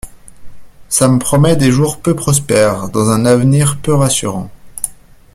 Ca m’promet des jours peu prospères Dans un av’nir peu rassurant !